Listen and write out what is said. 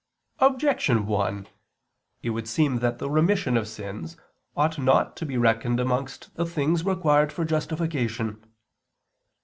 Objection 1: It would seem that the remission of sins ought not to be reckoned amongst the things required for justification.